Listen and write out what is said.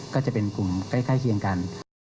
ก็จะเป็นกลุ่มใกล้เคียงกัน